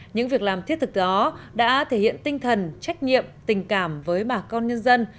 những việc làm thiết thực đó đã thể hiện tinh thần trách nhiệm tình cảm với bà con nhân dân